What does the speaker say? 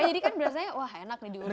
jadi kan berasanya wah enak nih diurusin